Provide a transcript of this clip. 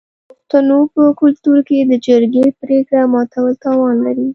د پښتنو په کلتور کې د جرګې پریکړه ماتول تاوان لري.